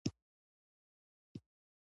چار مغز د افغانستان د جغرافیوي تنوع مثال دی.